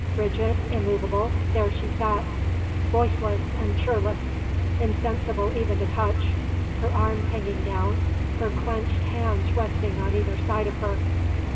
Rigid, immovable, there she sat; voiceless and tearless; insensible even to touch; her arms hanging down; her clenched hands resting on either side of her.